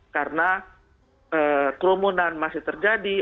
karena kerumunan masih terjadi